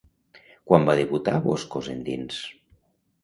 Quan va debutar Boscos endins?